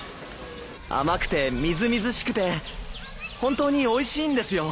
甘くてみずみずしくて本当においしいんですよ。